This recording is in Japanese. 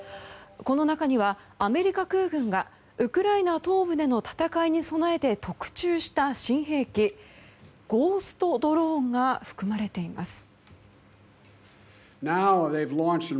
この中にはアメリカ空軍がウクライナ東部での戦いに備えて特注した新兵器ゴーストドローンが含まれています。